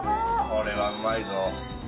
これはうまいぞ。